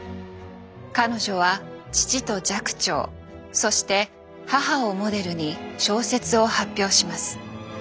彼女は父と寂聴そして母をモデルに小説を発表します。